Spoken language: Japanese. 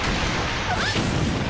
わっ！